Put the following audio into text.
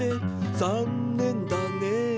「ざんねんだねえ」